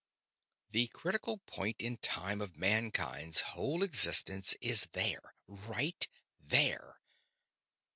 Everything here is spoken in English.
"_The critical point in time of mankind's whole existence is there RIGHT THERE!"